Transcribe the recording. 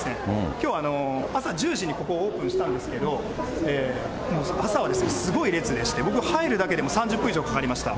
きょうは朝１０時にここオープンしたんですけれども、もう朝はすごい列でして、僕、入るだけでも３０分以上かかりました。